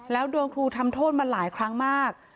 แล้วโดนครูทำโทษมาหลายครั้งมาก